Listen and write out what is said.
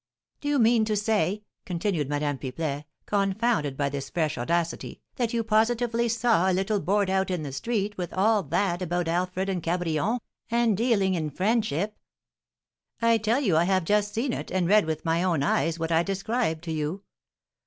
"Do you mean to say," continued Madame Pipelet, confounded by this fresh audacity, "that you positively saw a little board out in the street with all that about Alfred and Cabrion, and dealing in friendship?" "I tell you I have just seen it, and read with my own eyes what I described to you.